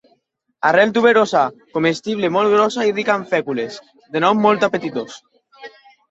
Arrel tuberosa comestible, molt grossa i rica en fècules, de nom molt apetitós.